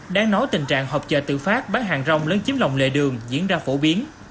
đáng nói tình trạng hợp trợ tự phát bán hàng rong lấn chiếm lòng lệ đường diễn ra phổ biến